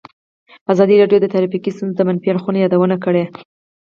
ازادي راډیو د ټرافیکي ستونزې د منفي اړخونو یادونه کړې.